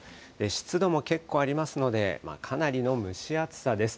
湿度も結構ありますので、かなりの蒸し暑さです。